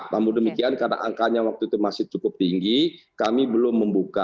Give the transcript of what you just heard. namun demikian karena angkanya waktu itu masih cukup tinggi kami belum membuka